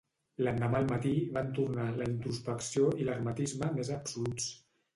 L'endemà al matí van tornar la introspecció i l'hermetisme més absoluts.